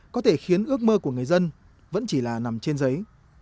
chỉ là nằm trên giấy